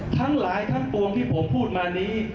ทั้งหลายทั้งปวงที่ผมพูดมานี้